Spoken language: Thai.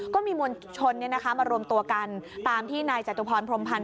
ก็มีมวลชนเนี้ยนะคะมารวมตัวกันตามที่นายจตุพรพรมพันธุ์